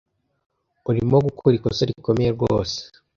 Urimo gukora ikosa rikomeye rwose.